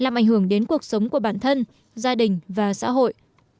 mạnh hưởng đến cuộc sống của bản thân gia đình và xã hội